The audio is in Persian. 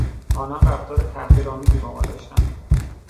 آنان رفتار تحقیرآمیزی با ما داشتند.